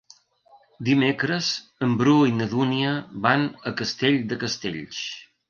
Dimecres en Bru i na Dúnia van a Castell de Castells.